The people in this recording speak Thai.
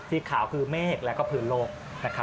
สีขาวคือเมฆแล้วก็ภาพโรคน่ะครับ